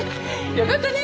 よかったね